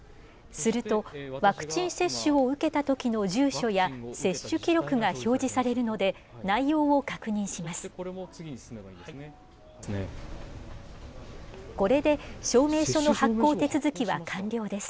すると、ワクチン接種を受けたときの住所や接種記録が表示されるので、内容を確認します。